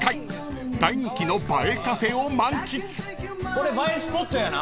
これ映えスポットやな。